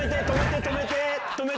止めて、止めて。